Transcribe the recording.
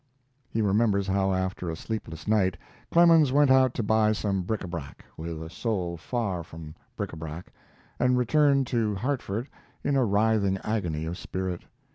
He remembers how, after a sleepless night, Clemens went out to buy some bric a brac, with a soul far from bric a brac, and returned to Hartford in a writhing agony of spirit.